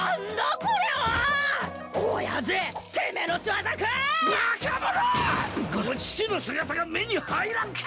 この父の姿が目に入らんかぁ！